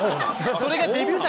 それがデビュー作。